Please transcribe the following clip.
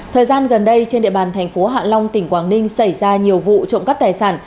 thời gian gần đây trên địa bàn thành phố hạ long tỉnh quảng ninh xảy ra nhiều vụ trộm cắp tài sản